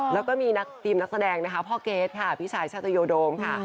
แล้วก็มีนักธีมนักแสดงนะคะพ่อเกรทค่ะพี่ชายชาตโยโดมค่ะ